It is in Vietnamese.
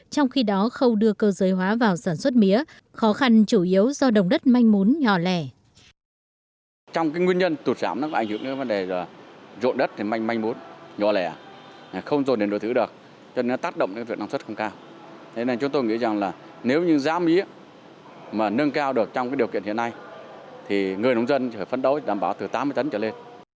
trong khi đó không đưa cơ giới hóa vào sản xuất mía khó khăn chủ yếu do đồng đất manh mốn nhỏ lẻ